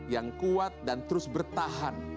yang kuat dan terus bertahan